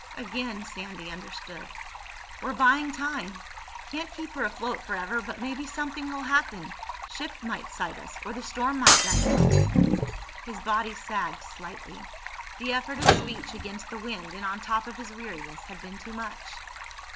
Again Sandy understood. "We're buying time. Can't keep her afloat forever, but maybe something will happen. Ship might sight us. Or the storm might die down." His body sagged slightly. The effort of speech, against the wind and on top of his weariness, had been too much.